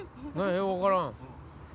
よう分からん。